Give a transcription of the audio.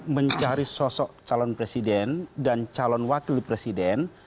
mencari sosok calon presiden dan calon wakil presiden